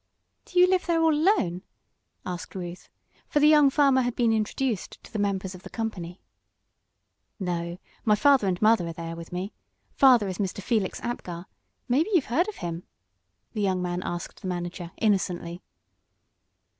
"Do you live there all alone?" asked Ruth, for the young farmer had been introduced to the members of the company. "No, my father and mother are there with me. Father is Mr. Felix Apgar maybe you've heard of him?" the young man asked the manager, innocently.